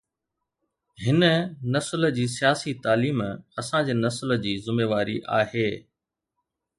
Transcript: هن نسل جي سياسي تعليم اسان جي نسل جي ذميواري آهي.